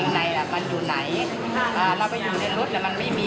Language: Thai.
ลาไปอยู่เด็กรถมันไม่มีมารอหาทำไมมี